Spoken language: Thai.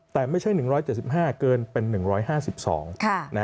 แต่ไม่ใช่๑๗๕เกินเป็น๑๕๒